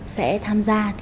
sẽ tham gia